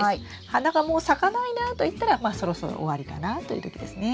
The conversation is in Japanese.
花がもう咲かないなといったらまあそろそろ終わりかなという時ですね。